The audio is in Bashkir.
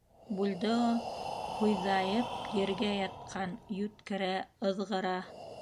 Бульдео һуйҙайып ергә ятҡан, йүткерә, ыҙғыра.